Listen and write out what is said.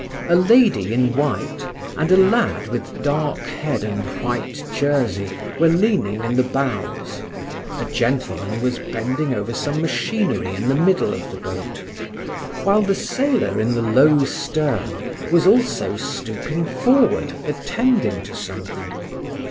A lady, in white, and a lad with dark head and white jersey were leaning in the bows; a gentleman was bending over some machinery in the middle of the boat, while the sailor in the low stern was also stooping forward attending to something.